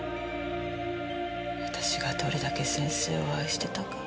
私がどれだけ先生を愛してたか。